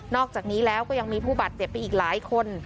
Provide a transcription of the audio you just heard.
อกจากนี้แล้วก็ยังมีผู้บาดเจ็บไปอีกหลายคน